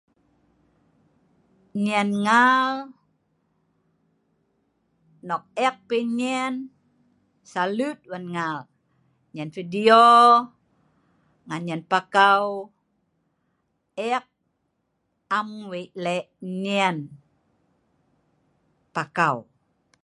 Enyin ngal nok e’ek pi enyin salut wan ngal enyin video enyin pakau e’ek am weik lek enyin pakau